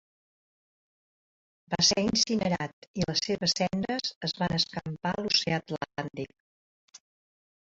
Va ser incinerat, i les seves cendres es van escampar a l'oceà Atlàntic.